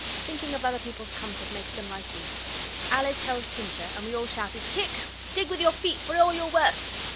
Thinking of other people's comfort makes them like you. Alice held Pincher, and we all shouted, 'Kick! dig with your feet, for all you're worth!